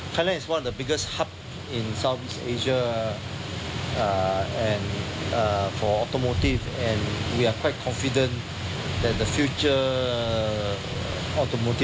เพราะฉะนั้นเราต้องสร้างพลังในไทย